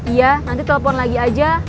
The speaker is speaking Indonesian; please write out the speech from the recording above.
iya nanti telepon lagi aja